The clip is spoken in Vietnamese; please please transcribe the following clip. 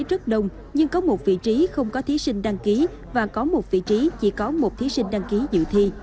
rất đông nhưng có một vị trí không có thí sinh đăng ký và có một vị trí chỉ có một thí sinh đăng ký dự thi